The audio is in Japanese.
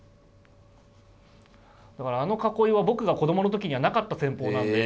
だからあの囲いは僕が子供の時にはなかった戦法なんで。